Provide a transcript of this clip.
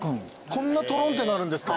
こんなとろんってなるんですか？